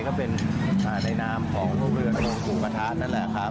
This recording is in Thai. ก็เป็นในน้ำของลูกเรือโรงกุปรระทานนั่นแหละค่ะ